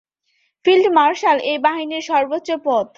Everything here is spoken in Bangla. ফিল্ড মার্শাল এই বাহিনীর সর্বোচ্চ পদ।